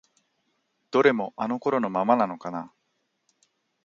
どれもあの頃のままなのかな？